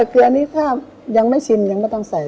เกลือนิดหน่อยอย่างไม่ชิมยังไม่ต้องใส่